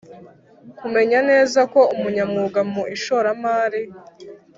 kumenya neza ko umunyamwuga mu ishoramari